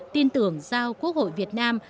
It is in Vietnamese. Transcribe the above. tin tưởng giao quốc hội việt nam